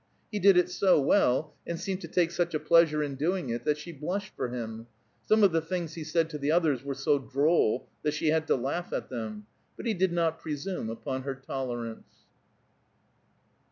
He did it so well, and seemed to take such a pleasure in doing it that she blushed for him. Some of the things he said to the others were so droll that she had to laugh at them. But he did not presume upon her tolerance.